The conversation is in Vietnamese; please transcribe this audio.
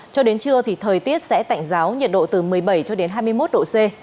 cho đến trưa thì thời tiết sẽ tạnh giáo nhiệt độ từ một mươi bảy cho đến hai mươi một độ c